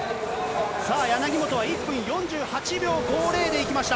さあ、柳本は１分４８秒５０でいきました。